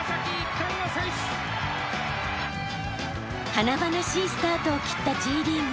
華々しいスタートを切ったＪリーグ。